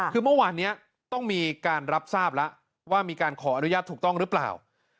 คือเมื่อวานนี้ต้องมีการรับทราบแล้วว่ามีการขออนุญาตถูกต้องหรือเปล่า